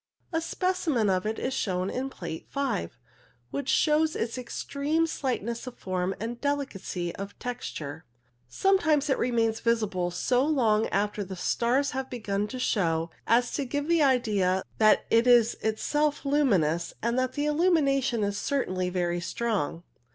A specimen of it is shown in Plate 5, which shows its extreme slightness of form and delicacy of texture. Some times it remains visible so long after the stars have begun to show as to give the idea that it is self luminous, and the illusion is certainly very strong.